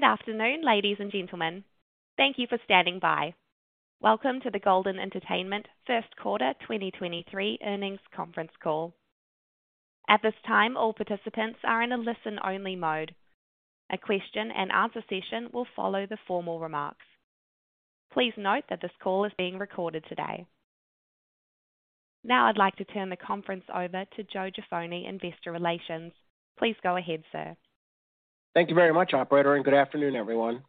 Good afternoon, ladies and gentlemen. Thank you for standing by. Welcome to the Golden Entertainment First Quarter 2023 Earnings Conference Call. At this time, all participants are in a listen-only mode. A question-and-answer session will follow the formal remarks. Please note that this call is being recorded today. I'd like to turn the conference over to Joe Jaffoni, Investor Relations. Please go ahead, sir. Thank you very much, operator, and good afternoon, everyone.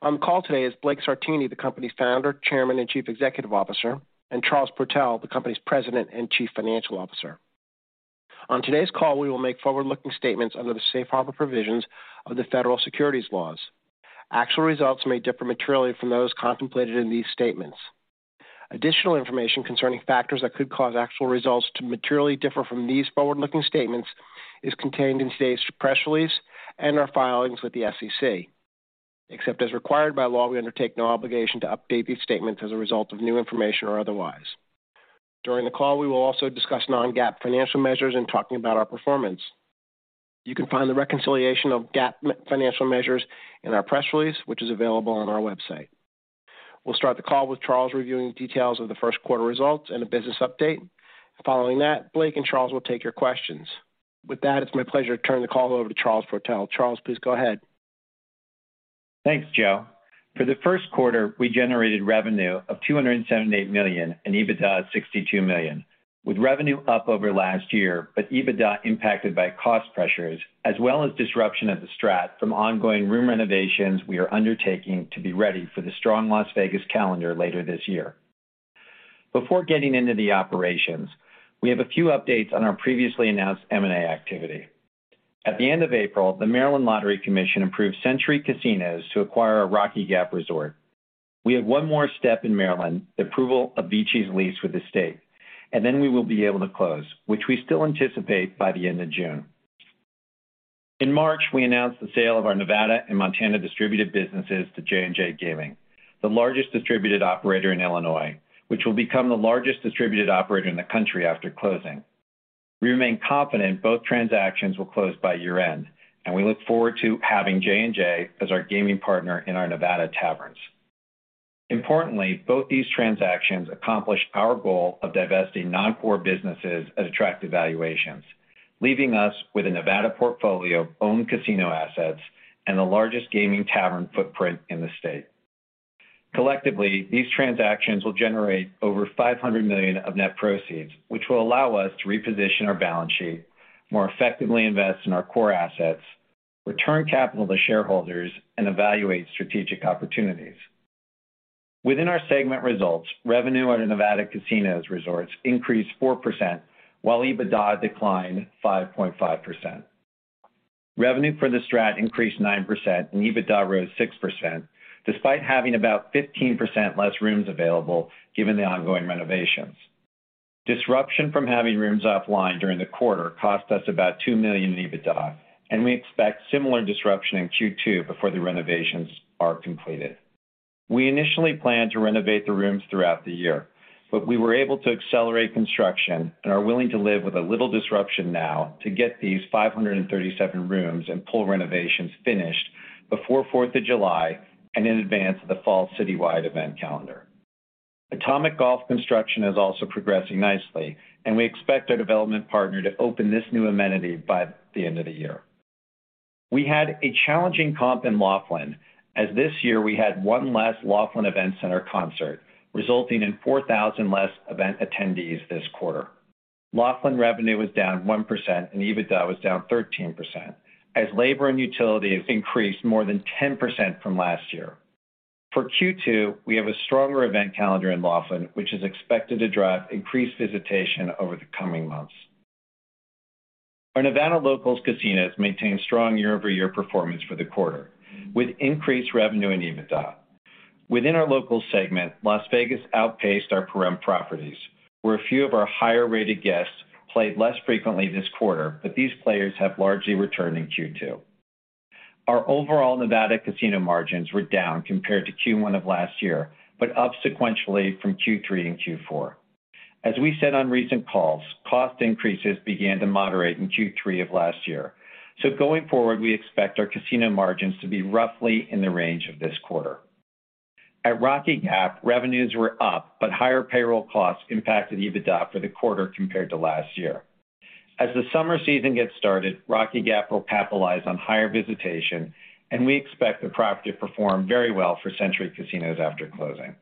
On the call today is Blake Sartini, the company's founder, chairman, and chief executive officer, and Charles Protell, the company's president and chief financial officer. On today's call, we will make forward-looking statements under the safe harbor provisions of the Federal Securities Laws. Actual results may differ materially from those contemplated in these statements. Additional information concerning factors that could cause actual results to materially differ from these forward-looking statements is contained in today's press release and our filings with the SEC. Except as required by law, we undertake no obligation to update these statements as a result of new information or otherwise. During the call, we will also discuss non-GAAP financial measures in talking about our performance. You can find the reconciliation of GAAP financial measures in our press release, which is available on our website. We'll start the call with Charles reviewing details of the first quarter results and a business update. Following that, Blake and Charles will take your questions. It's my pleasure to turn the call over to Charles Protell. Charles, please go ahead. Thanks, Joe. For the first quarter, we generated revenue of $278 million and EBITDA of $62 million, with revenue up over last year, EBITDA impacted by cost pressures as well as disruption at The STRAT from ongoing room renovations we are undertaking to be ready for the strong Las Vegas calendar later this year. Before getting into the operations, we have a few updates on our previously announced M&A activity. At the end of April, the Maryland Lottery Commission approved Century Casinos to acquire our Rocky Gap Resort. We have one more step in Maryland, the approval of VICI's lease with the state, then we will be able to close, which we still anticipate by the end of June. In March, we announced the sale of our Nevada and Montana distributed businesses to J&J Gaming, the largest distributed operator in Illinois, which will become the largest distributed operator in the country after closing. We remain confident both transactions will close by year-end, and we look forward to having J&J as our gaming partner in our Nevada taverns. Importantly, both these transactions accomplish our goal of divesting non-core businesses at attractive valuations, leaving us with a Nevada portfolio of owned casino assets and the largest gaming tavern footprint in the state. Collectively, these transactions will generate over $500 million of net proceeds, which will allow us to reposition our balance sheet, more effectively invest in our core assets, return capital to shareholders, and evaluate strategic opportunities. Within our segment results, revenue at our Nevada casinos resorts increased 4%, while EBITDA declined 5.5%. Revenue for The Strat increased 9% and EBITDA rose 6%, despite having about 15% less rooms available, given the ongoing renovations. Disruption from having rooms offline during the quarter cost us about $2 million in EBITDA. We expect similar disruption in Q2 before the renovations are completed. We initially planned to renovate the rooms throughout the year. We were able to accelerate construction and are willing to live with a little disruption now to get these 537 rooms and pool renovations finished before Fourth of July and in advance of the fall citywide event calendar. Atomic Golf construction is also progressing nicely. We expect our development partner to open this new amenity by the end of the year. We had a challenging comp in Laughlin, as this year we had one less Laughlin Event Center concert, resulting in 4,000 less event attendees this quarter. Laughlin revenue was down 1% and EBITDA was down 13%, as labor and utilities increased more than 10% from last year. For Q2, we have a stronger event calendar in Laughlin, which is expected to drive increased visitation over the coming months. Our Nevada locals casinos maintained strong year-over-year performance for the quarter, with increased revenue in EBITDA. Within our locals segment, Las Vegas outpaced our Pahrump properties, where a few of our higher-rated guests played less frequently this quarter, but these players have largely returned in Q2. Our overall Nevada casino margins were down compared to Q1 of last year, but up sequentially from Q3 and Q4. We said on recent calls, cost increases began to moderate in Q3 of last year. Going forward, we expect our casino margins to be roughly in the range of this quarter. At Rocky Gap, revenues were up. Higher payroll costs impacted EBITDA for the quarter compared to last year. The summer season gets started, Rocky Gap will capitalize on higher visitation. We expect the property to perform very well for Century Casinos after closing.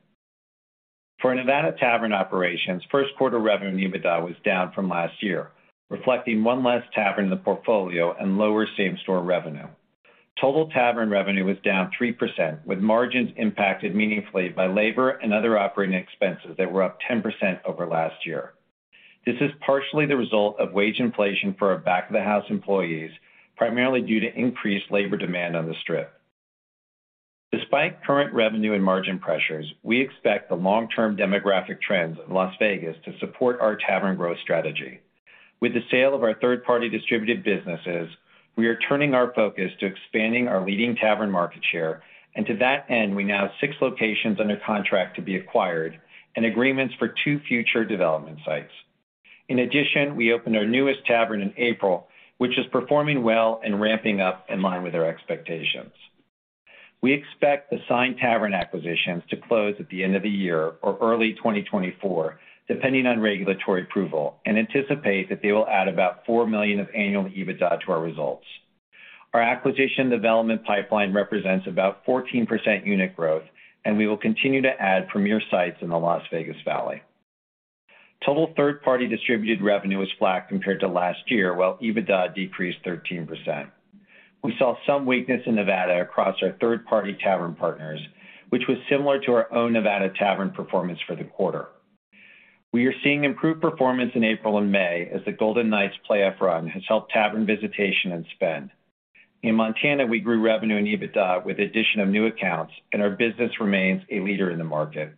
For our Nevada tavern operations, first quarter revenue and EBITDA was down from last year, reflecting one less tavern in the portfolio and lower same-store revenue. Total tavern revenue was down 3%, with margins impacted meaningfully by labor and other operating expenses that were up 10% over last year. This is partially the result of wage inflation for our back-of-the-house employees, primarily due to increased labor demand on the Strip. Despite current revenue and margin pressures, we expect the long-term demographic trends in Las Vegas to support our tavern growth strategy. To that end, we now have six locations under contract to be acquired and agreements for two future development sites. In addition, we opened our newest tavern in April, which is performing well and ramping up in line with our expectations. We expect the signed tavern acquisitions to close at the end of the year or early 2024, depending on regulatory approval, and anticipate that they will add about $4 million of annual EBITDA to our results. Our acquisition development pipeline represents about 14% unit growth, and we will continue to add premier sites in the Las Vegas Valley. Total third-party distributed revenue was flat compared to last year, while EBITDA decreased 13%. We saw some weakness in Nevada across our third-party tavern partners, which was similar to our own Nevada tavern performance for the quarter. We are seeing improved performance in April and May as the Golden Knights playoff run has helped tavern visitation and spend. In Montana, we grew revenue and EBITDA with the addition of new accounts, and our business remains a leader in the market.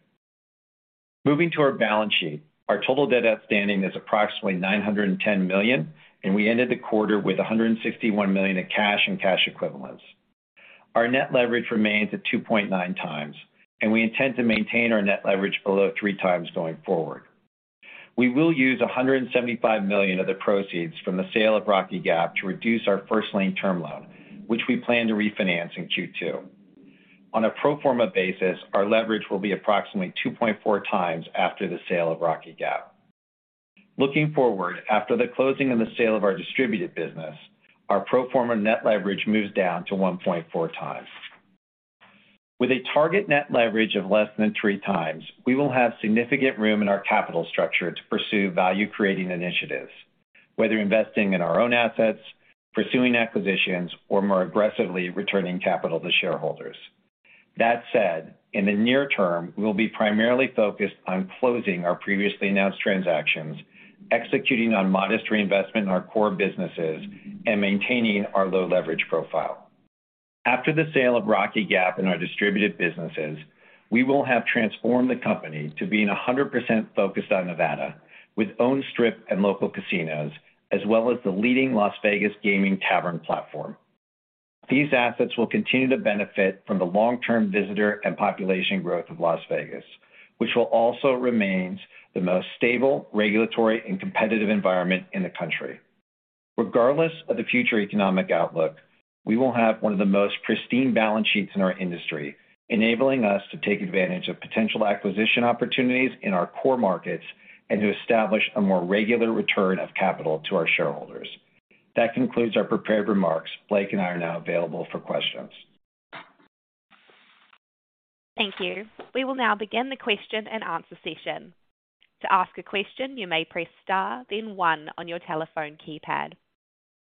Moving to our balance sheet. Our total debt outstanding is approximately $910 million, and we ended the quarter with $161 million in cash and cash equivalents. Our net leverage remains at 2.9x. We intend to maintain our net leverage below 3x going forward. We will use $175 million of the proceeds from the sale of Rocky Gap to reduce our first lien term loan, which we plan to refinance in Q2. On a pro forma basis, our leverage will be approximately 2.4x after the sale of Rocky Gap. Looking forward, after the closing and the sale of our distributed business, our pro forma net leverage moves down to 1.4x. With a target net leverage of less than 3x, we will have significant room in our capital structure to pursue value-creating initiatives, whether investing in our own assets, pursuing acquisitions, or more aggressively returning capital to shareholders. In the near term, we will be primarily focused on closing our previously announced transactions, executing on modest reinvestment in our core businesses, and maintaining our low leverage profile. After the sale of Rocky Gap and our distributed businesses, we will have transformed the company to being 100% focused on Nevada with owned strip and local casinos, as well as the leading Las Vegas gaming tavern platform. These assets will continue to benefit from the long-term visitor and population growth of Las Vegas, which will also remain the most stable regulatory and competitive environment in the country. Regardless of the future economic outlook, we will have one of the most pristine balance sheets in our industry, enabling us to take advantage of potential acquisition opportunities in our core markets and to establish a more regular return of capital to our shareholders. Concludes our prepared remarks. Blake and I are now available for questions. Thank you. We will now begin the question and answer session. To ask a question, you may press star then one on your telephone keypad.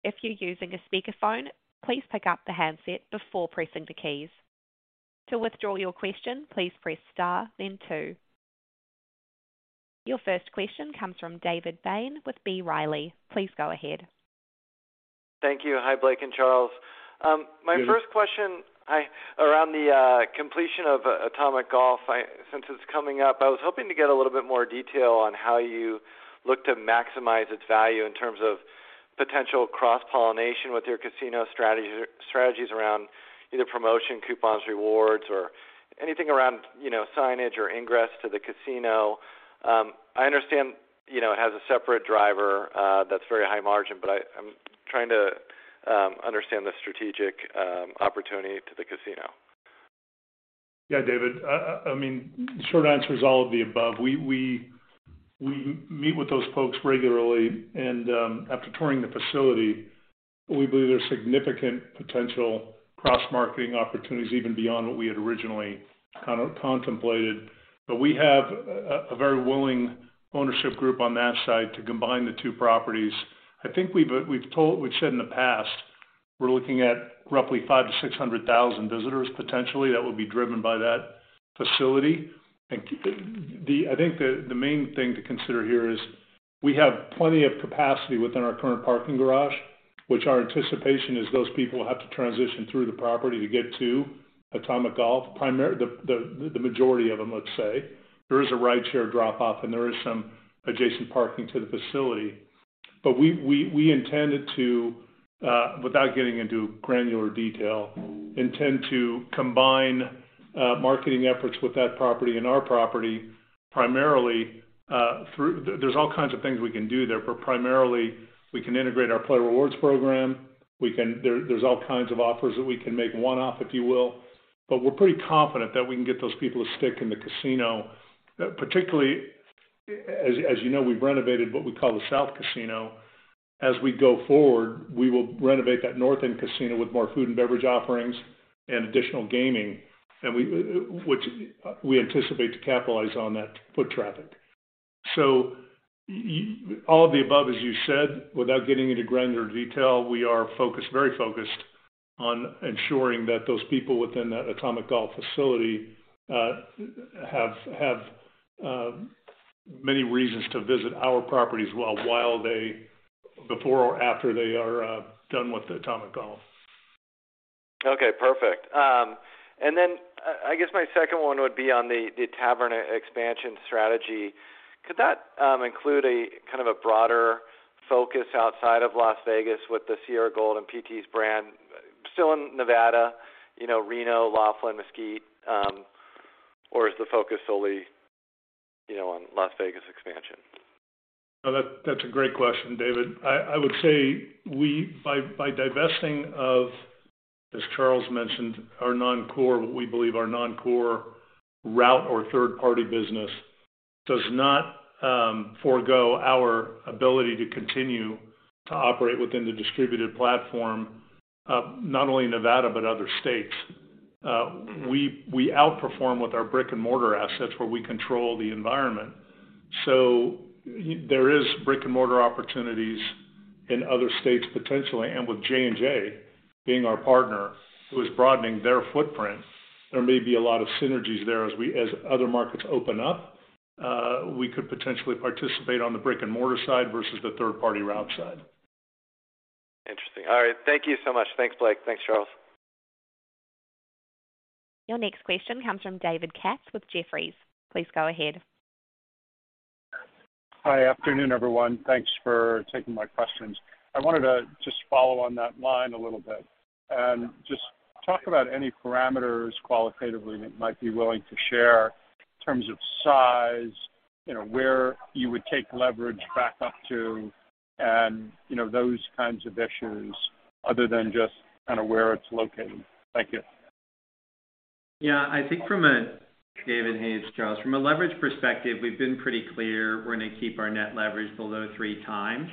If you're using a speakerphone, please pick up the handset before pressing the keys. To withdraw your question, please press star then two. Your first question comes from David Bain with B. Riley. Please go ahead. Thank you. Hi, Blake and Charles. My first question, around the completion of Atomic Golf, since it's coming up, I was hoping to get a little bit more detail on how you look to maximize its value in terms of potential cross-pollination with your casino strategies around either promotion, coupons, rewards or anything around, you know, signage or ingress to the casino. I understand, you know, it has a separate driver, that's very high margin, but I'm trying to understand the strategic opportunity to the casino. Yeah, David. I mean, short answer is all of the above. We meet with those folks regularly, and after touring the facility, we believe there's significant potential cross-marketing opportunities even beyond what we had originally kind of contemplated. We have a very willing ownership group on that side to combine the two properties. I think we've said in the past, we're looking at roughly 500,000-600,000 visitors potentially that would be driven by that facility. I think the main thing to consider here is we have plenty of capacity within our current parking garage, which our anticipation is those people have to transition through the property to get to Atomic Golf, the majority of them, let's say. There is a rideshare drop off and there is some adjacent parking to the facility. We intended to, without getting into granular detail, intend to combine marketing efforts with that property and our property, primarily, there's all kinds of things we can do there. Primarily, we can integrate our player rewards program. There's all kinds of offers that we can make one-off, if you will. We're pretty confident that we can get those people to stick in the casino, particularly, as you know, we've renovated what we call the South Casino. As we go forward, we will renovate that North-end casino with more food and beverage offerings and additional gaming, and which we anticipate to capitalize on that foot traffic. All of the above, as you said, without getting into granular detail, we are focused, very focused on ensuring that those people within that Atomic Golf facility, have many reasons to visit our property as well while before or after they are done with the Atomic Golf. Perfect. I guess my second one would be on the tavern expansion strategy. Could that include a kind of a broader focus outside of Las Vegas with the Sierra Gold and PT's brand still in Nevada, you know, Reno, Laughlin, Mesquite? Is the focus solely, you know, on Las Vegas expansion? No, that's a great question, David. I would say we by divesting of, as Charles mentioned, our non-core, what we believe are non-core route or third-party business, does not forego our ability to continue to operate within the distributed platform, not only Nevada, but other states. We outperform with our brick-and-mortar assets where we control the environment. There is brick-and-mortar opportunities in other states potentially. With J&J being our partner who is broadening their footprint, there may be a lot of synergies there as we, as other markets open up, we could potentially participate on the brick-and-mortar side versus the third-party route side. Interesting. All right. Thank you so much. Thanks, Blake. Thanks, Charles. Your next question comes from David Katz with Jefferies. Please go ahead. Hi. Afternoon, everyone. Thanks for taking my questions. I wanted to just follow on that line a little bit and just talk about any parameters qualitatively that you might be willing to share in terms of size, you know, where you would take leverage back up to, and, you know, those kinds of issues other than just kind of where it's located. Thank you. Yeah. I think David, hey, it's Charles. From a leverage perspective, we've been pretty clear we're going to keep our net leverage below 3x.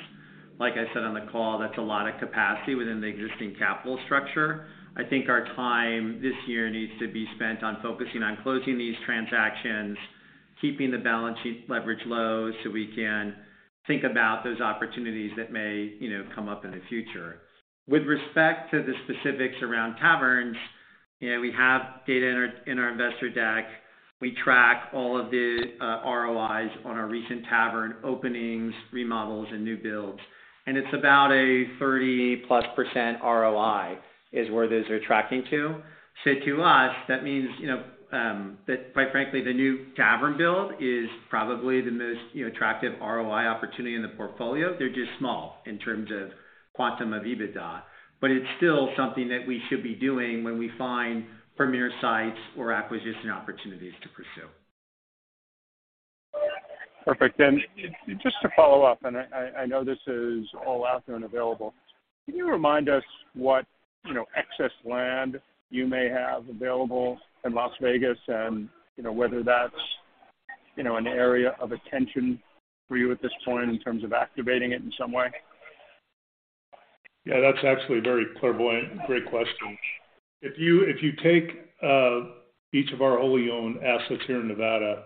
Like I said on the call, that's a lot of capacity within the existing capital structure. I think our time this year needs to be spent on focusing on closing these transactions, keeping the balance sheet leverage low so we can think about those opportunities that may, you know, come up in the future. With respect to the specifics around taverns, you know, we have data in our investor deck. We track all of the ROIs on our recent tavern openings, remodels, and new builds. It's about a 30+% ROI is where those are tracking to. To us, that means, you know, that quite frankly, the new tavern build is probably the most, you know, attractive ROI opportunity in the portfolio. They're just small in terms of quantum of EBITDA. It's still something that we should be doing when we find premier sites or acquisition opportunities to pursue. Perfect. Just to follow up, and I know this is all out there and available. Can you remind us what, you know, excess land you may have available in Las Vegas and, you know, whether that's, you know, an area of attention for you at this point in terms of activating it in some way? Yeah, that's actually a very clairvoyant, great question. If you take each of our wholly owned assets here in Nevada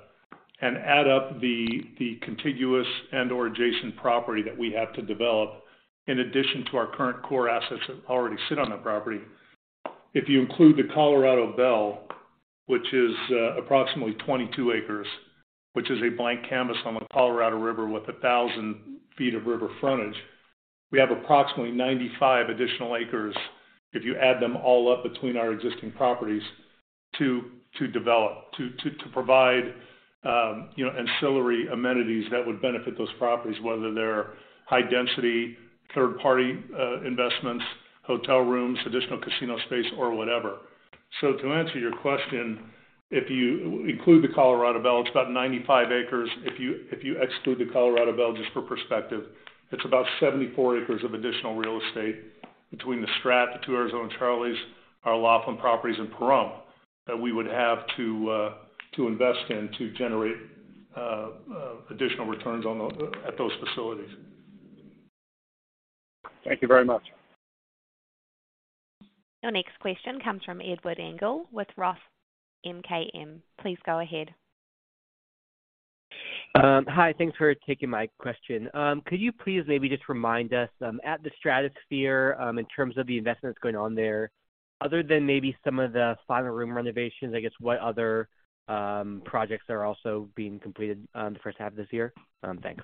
and add up the contiguous and/or adjacent property that we have to develop, in addition to our current core assets that already sit on the property, if you include the Colorado Belle, which is approximately 22 acres, which is a blank canvas on the Colorado River with 1,000 feet of river frontage, we have approximately 95 additional acres if you add them all up between our existing properties to develop, to provide, you know, ancillary amenities that would benefit those properties, whether they're high-density, third party, investments, hotel rooms, additional casino space or whatever. To answer your question, if you include the Colorado Belle, it's about 95 acres. If you exclude the Colorado Belle, just for perspective, it's about 74 acres of additional real estate between the STRAT, the two Arizona Charlies, our Laughlin properties and Pahrump that we would have to invest in to generate additional returns at those facilities. Thank you very much. Your next question comes from Edward Engel with Roth MKM. Please go ahead. Hi. Thanks for taking my question. Could you please maybe just remind us at the Stratosphere, in terms of the investments going on there, other than maybe some of the final room renovations, I guess, what other projects are also being completed the first half of this year? Thanks.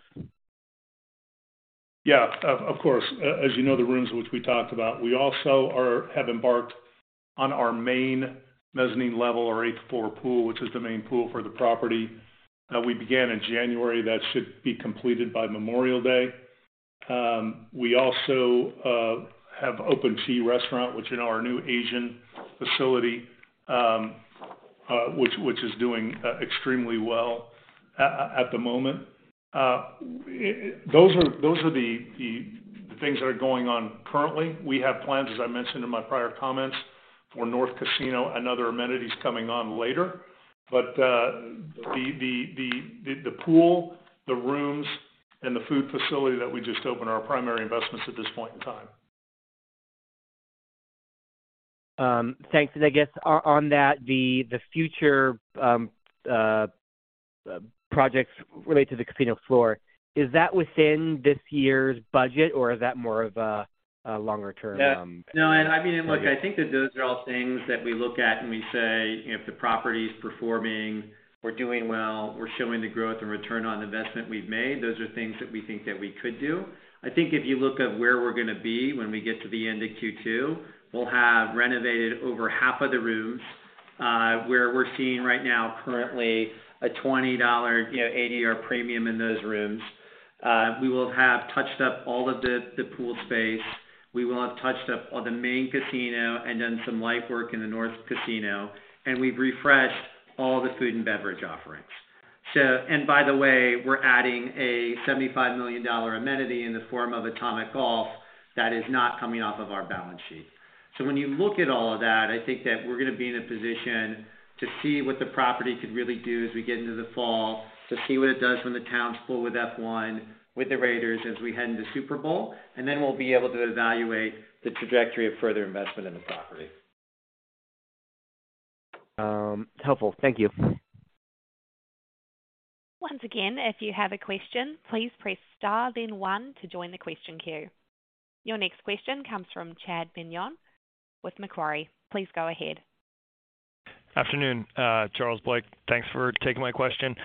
Yeah. Of course. As you know, the rooms which we talked about, we also have embarked on our main mezzanine level or eighth floor pool, which is the main pool for the property. We began in January. That should be completed by Memorial Day. We also have Open See restaurant, which, you know, our new Asian facility, which is doing extremely well at the moment. Those are the things that are going on currently. We have plans, as I mentioned in my prior comments, for North Casino and other amenities coming on later. The pool, the rooms and the food facility that we just opened are our primary investments at this point in time. Thanks. I guess on that, the future projects related to the casino floor, is that within this year's budget, or is that more of a longer term? No, I mean, look, I think that those are all things that we look at and we say, if the property is performing, we're doing well, we're showing the growth and return on investment we've made, those are things that we think that we could do. I think if you look at where we're gonna be when we get to the end of Q2, we'll have renovated over half of the rooms, where we're seeing right now currently a $20, you know, ADR premium in those rooms. We will have touched up all of the pool space. We will have touched up all the main casino and done some light work in the north casino, we've refreshed all the food and beverage offerings. So... By the way, we're adding a $75 million amenity in the form of Atomic Golf that is not coming off of our balance sheet. When you look at all of that, I think that we're gonna be in a position to see what the property could really do as we get into the fall, to see what it does when the towns fill with F1, with the Raiders as we head into Super Bowl, and then we'll be able to evaluate the trajectory of further investment in the property. Helpful. Thank you. Once again, if you have a question, please press star then one to join the question queue. Your next question comes from Chad Beynon with Macquarie. Please go ahead. Afternoon, Charles, Blake. Thanks for taking my question.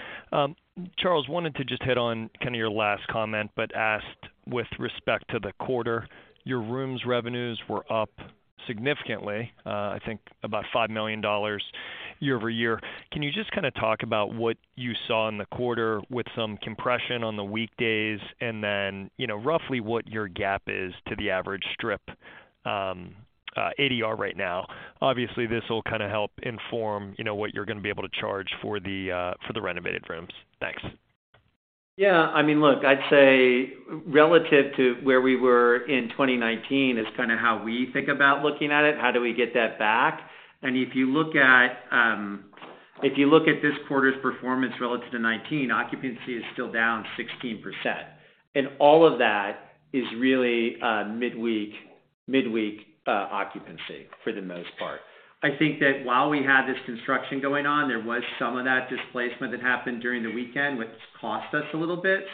Charles, wanted to just hit on kind of your last comment, asked with respect to the quarter. Your rooms revenues were up significantly, I think about $5 million year-over-year. Can you just kinda talk about what you saw in the quarter with some compression on the weekdays and then, you know, roughly what your gap is to the average strip ADR right now? Obviously, this will kinda help inform, you know, what you're gonna be able to charge for the renovated rooms. Thanks. Yeah, I mean, look, I'd say relative to where we were in 2019 is kinda how we think about looking at it. How do we get that back? If you look at, if you look at this quarter's performance relative to 2019, occupancy is still down 16%. All of that is really midweek occupancy for the most part. I think that while we had this construction going on, there was some of that displacement that happened during the weekend, which cost us a little bit.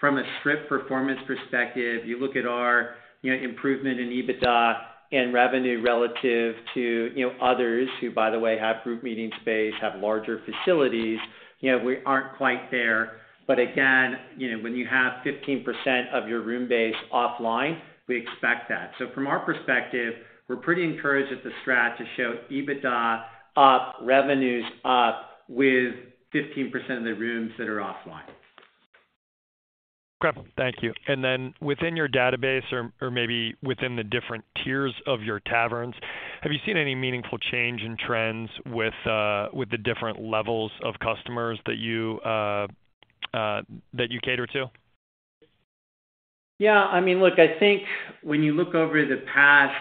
From a strip performance perspective, you look at our, you know, improvement in EBITDA and revenue relative to, you know, others who, by the way, have group meeting space, have larger facilities, you know, we aren't quite there. Again, you know, when you have 15% of your room base offline, we expect that. From our perspective, we're pretty encouraged at The STRAT to show EBITDA up, revenues up with 15% of the rooms that are offline. Correct. Thank you. Then within your database or maybe within the different tiers of your taverns, have you seen any meaningful change in trends with the different levels of customers that you cater to? Yeah, I mean, look, I think when you look over the past,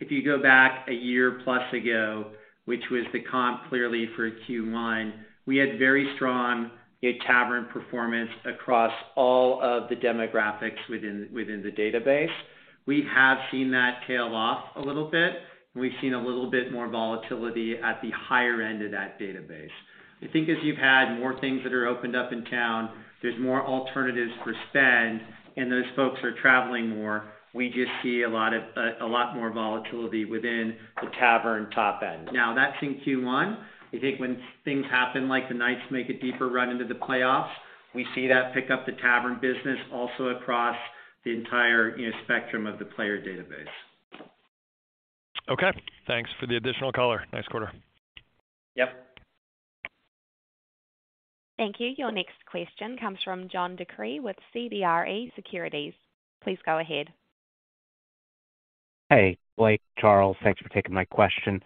if you go back a year plus ago, which was the comp clearly for Q1, we had very strong tavern performance across all of the demographics within the database. We have seen that tail off a little bit. We've seen a little bit more volatility at the higher end of that database. I think as you've had more things that are opened up in town, there's more alternatives for spend, and those folks are traveling more. We just see a lot more volatility within the tavern top end. Now, that's in Q1. I think when things happen, like the Knights make a deeper run into the playoffs, we see that pick up the tavern business also across the entire, you know, spectrum of the player database. Okay. Thanks for the additional color. Next quarter. Yep. Thank you. Your next question comes from John DeCree with CBRE Securities. Please go ahead. Hey, Blake, Charles. Thanks for taking my question.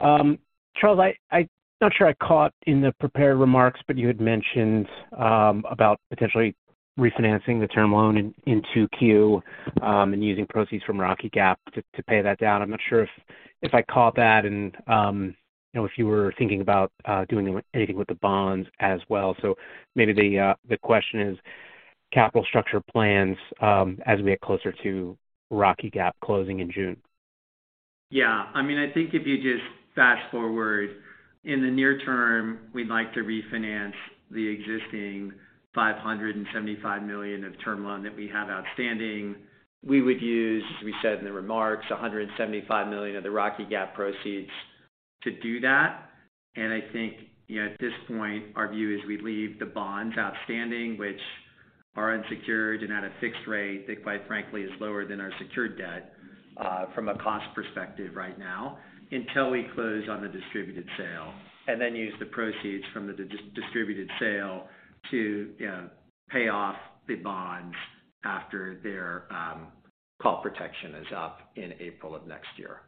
Charles, I, not sure I caught in the prepared remarks, but you had mentioned about potentially refinancing the term loan in 2Q and using proceeds from Rocky Gap to pay that down. I'm not sure if I caught that and, you know, if you were thinking about doing anything with the bonds as well. Maybe the question is capital structure plans as we get closer to Rocky Gap closing in June. Yeah. I mean, I think if you just fast-forward, in the near term, we'd like to refinance the existing $575 million of term loan that we have outstanding. We would use, as we said in the remarks, $175 million of the Rocky Gap proceeds to do that. I think, you know, at this point, our view is we leave the bonds outstanding, which are unsecured and at a fixed rate that, quite frankly, is lower than our secured debt from a cost perspective right now, until we close on the distributed sale, and then use the proceeds from the distributed sale to, you know, pay off the bonds after their call protection is up in April of next year.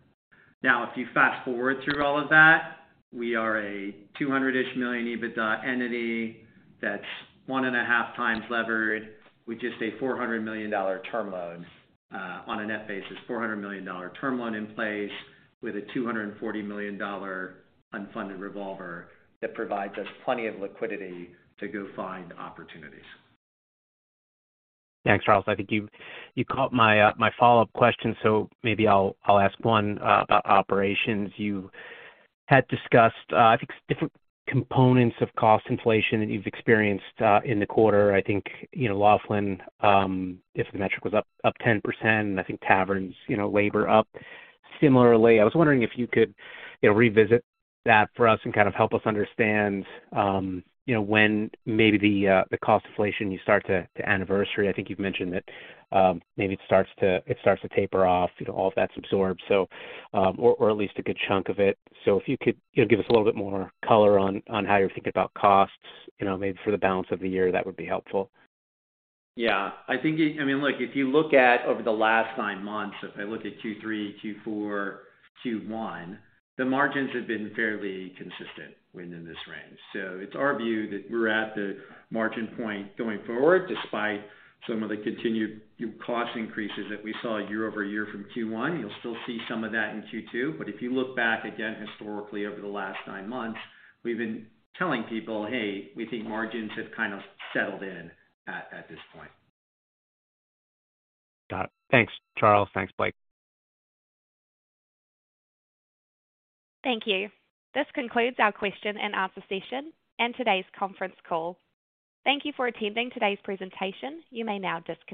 Now, if you fast-forward through all of that, we are a 200-ish million EBITDA entity that's 1.5x levered with just a $400 million term loan, on a net basis, $400 million term loan in place with a $240 million unfunded revolver that provides us plenty of liquidity to go find opportunities. Thanks, Charles. I think you caught my follow-up question, so maybe I'll ask one about operations. You had discussed, I think different components of cost inflation that you've experienced in the quarter. I think, you know, Laughlin, if the metric was up 10%, I think taverns, you know, labor up similarly. I was wondering if you could, you know, revisit that for us and kind of help us understand, you know, when maybe the cost inflation you start to anniversary. I think you've mentioned that maybe it starts to taper off, you know, all of that's absorbed. Or at least a good chunk of it. If you could, you know, give us a little bit more color on how you're thinking about costs, you know, maybe for the balance of the year, that would be helpful. Yeah. I think, I mean, look, if you look at over the last nine months, if I look at Q3, Q4, Q1, the margins have been fairly consistent within this range. It's our view that we're at the margin point going forward, despite some of the continued cost increases that we saw year-over-year from Q1. You'll still see some of that in Q2. If you look back again, historically, over the last nine months, we've been telling people, "Hey, we think margins have kind of settled in at this point. Got it. Thanks, Charles. Thanks, Blake. Thank you. This concludes our question and answer session and today's conference call. Thank you for attending today's presentation. You may now disconnect.